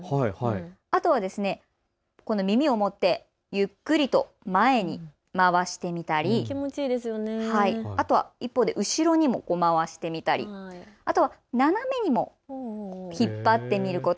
あとは耳を持ってゆっくりと前に回してみたりあとは後ろにも回してみたり、あとは斜めにも引っ張ってみること。